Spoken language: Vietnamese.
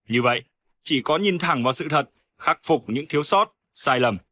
như vậy chỉ có nhìn thẳng vào sự thật khắc phục những thiếu sót sai lầm